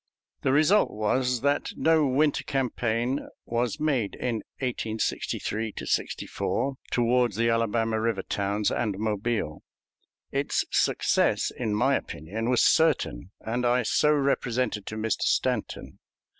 The result was that no winter campaign was made in 1863 '64 toward the Alabama River towns and Mobile. Its success, in my opinion, was certain, and I so represented to Mr. Stanton.